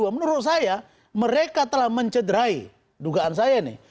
menurut saya mereka telah mencederai dugaan saya ini